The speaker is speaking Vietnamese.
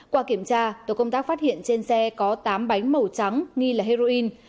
qua kiểm tra tổ công tác phát hiện trên xe có tám bánh màu trắng nghi là heroin